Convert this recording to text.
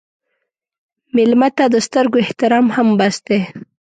مېلمه ته د سترګو احترام هم بس دی.